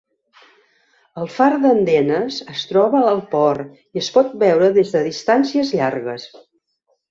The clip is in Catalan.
El far d'Andenes es troba al port i es pot veure des de distàncies llargues.